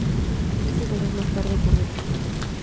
Trece segundos más tarde, ocurrió el choque.